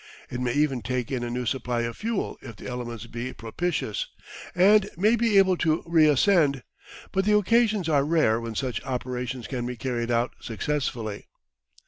It may even take in a new supply of fuel if the elements be propitious, and may be able to re ascend, but the occasions are rare when such operations can be carried out successfully.